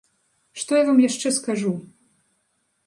Што я вам яшчэ скажу?